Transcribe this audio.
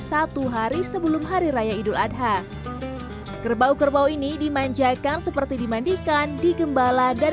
satu hari sebelum hari raya idul adha kerbau kerbau ini dimanjakan seperti dimandikan digembala dan